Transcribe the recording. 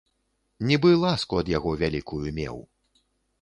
Нібы ласку ад яго вялікую меў.